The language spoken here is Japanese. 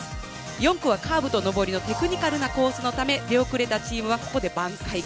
４区はカーブと上りのテクニカルなコースのため出遅れたチームはここで挽回。